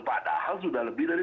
padahal sudah lebih dari tujuh ratus